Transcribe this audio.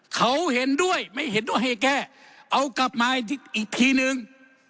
เขาเห็นด้วยไม่เห็นด้วยให้แก้เอากลับมาอีกทีนึง